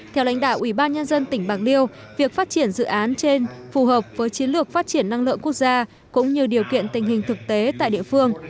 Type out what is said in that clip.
theo lãnh đạo ubnd tỉnh bạc liêu việc phát triển dự án trên phù hợp với chiến lược phát triển năng lượng quốc gia cũng như điều kiện tình hình thực tế tại địa phương